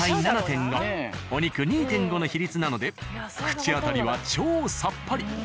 の比率なので口当たりは超さっぱり。